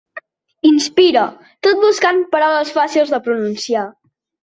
Inspira, tot buscant paraules fàcils de pronunciar.